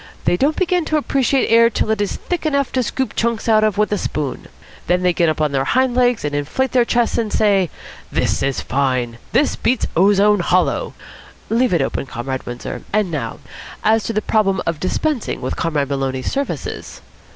They don't begin to appreciate air till it is thick enough to scoop chunks out of with a spoon. Then they get up on their hind legs and inflate their chests and say, 'This is fine! This beats ozone hollow!' Leave it open, Comrade Windsor. And now, as to the problem of dispensing with Comrade Maloney's services?"